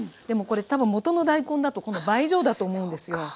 でもこれ多分もとの大根だとこの倍以上だと思うんですよ。